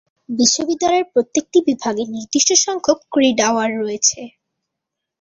বিশ্ববিদ্যালয়ের প্রত্যেকটি বিভাগে নির্দিষ্ট সংখ্যক ক্রেডিট আওয়ার রয়েছে।